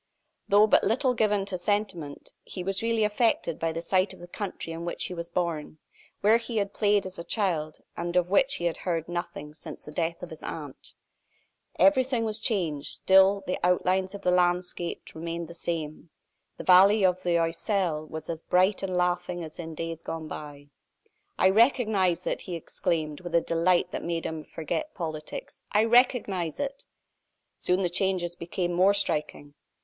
Though but little given to sentiment, he was really affected by the sight of the country in which he was born where he had played as a child, and of which he had heard nothing since the death of his aunt. Everything was changed: still the outlines of the landscape remained the same; the valley of the Oiselle was as bright and laughing as in days gone by. "I recognize it!" he exclaimed, with a delight that made him forget politics. "I recognize it!" Soon the changes became more striking.